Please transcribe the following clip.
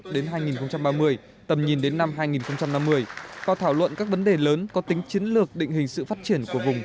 đến hai nghìn ba mươi tầm nhìn đến năm hai nghìn năm mươi và thảo luận các vấn đề lớn có tính chiến lược định hình sự phát triển của vùng